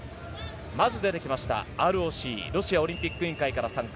まず出てきましたＲＯＣ・ロシアオリンピック委員会から参加